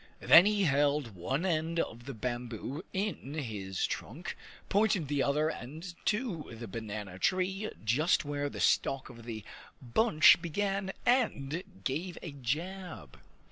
Then he held one end of the bamboo in his trunk, pointed the other end to the banana tree just where the stalk of the bunch began, and gave a jab.